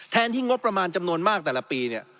ที่งบประมาณจำนวนมากแต่ละปีเนี่ย